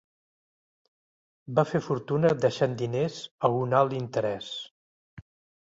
Va fer fortuna deixant diners a un alt interès.